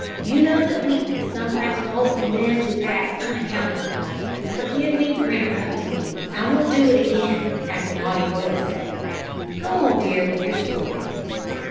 You know that weakness sometimes causes men to act unaccountably. Forgive me for interrupting you. I won't do it again, as the naughty boys say. Go on, dear, with your story."